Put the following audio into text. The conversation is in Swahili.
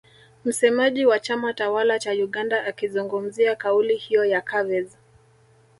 Msemaji wa chama tawala cha Uganda akizungumzia kauli hiyo ya Chavez